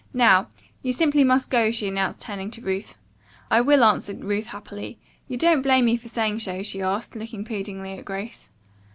Now, you simply must go," she announced, turning to Ruth. "I will," answered Ruth happily. "You don't blame me for saying so?" she asked, looking pleadingly at Grace.